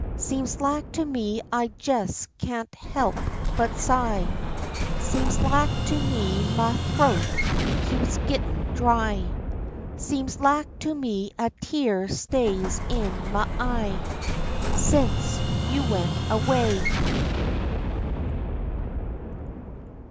Seems lak to me I jes can't he'p but sigh, Seems lak to me ma th'oat keeps gittin' dry, Seems lak to me a tear stays in ma eye, Sence you went away.